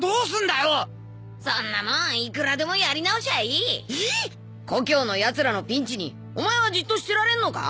そんなモンいくらでもやり直しゃいい故郷のヤツらのピンチにお前はじっとしてられんのか？